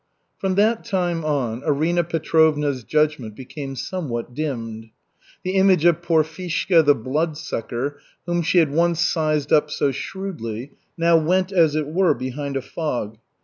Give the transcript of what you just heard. From that time on, Arina Petrovna's judgment became somewhat dimmed. The image of Porfishka the Bloodsucker, whom she had once sized up so shrewdly, now went, as it were, behind a fog.